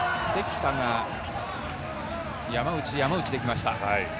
関田が山内、山内で来ました。